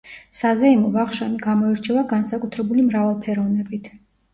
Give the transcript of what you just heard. საზეიმო ვახშამი გამოირჩევა განსაკუთრებული მრავალფეროვნებით.